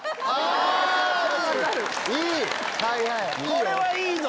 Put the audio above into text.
これはいいぞ！